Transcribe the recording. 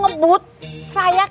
sebentar tuh mak